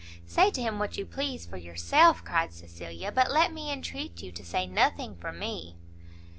"Say to him what you please for yourself," cried Cecilia, "but let me entreat you to say nothing for me."